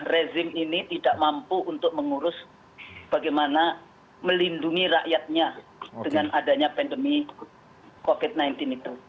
rezim ini tidak mampu untuk mengurus bagaimana melindungi rakyatnya dengan adanya pandemi covid sembilan belas itu